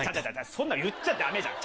そんなん言っちゃダメじゃん。